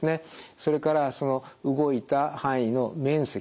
それから動いた範囲の面積ですね。